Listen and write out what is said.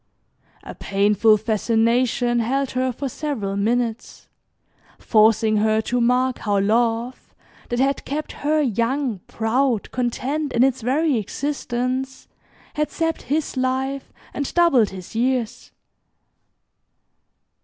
A painful fascination held her for several minutes, forcing her to mark how love, that had kept her young, proud, content in its very existence, had sapped his life, and doubled his years.